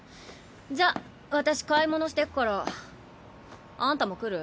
じゃ私買い物してくから。あんたも来る？